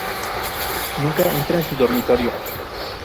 Nunca entra en su dormitorio.